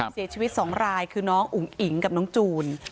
เสียชีวิต๒รายคือน้องอุ๋งอิ๋งกับน้องจูน